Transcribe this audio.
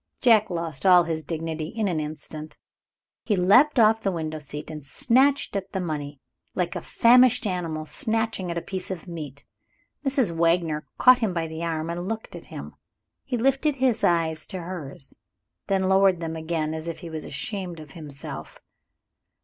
Jack lost all his dignity in an instant. He leapt off the window seat and snatched at the money, like a famished animal snatching at a piece of meat. Mrs. Wagner caught him by the arm, and looked at him. He lifted his eyes to hers, then lowered them again as if he was ashamed of himself.